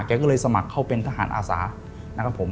แกก็เลยสมัครเข้าเป็นทหารอาสานะครับผม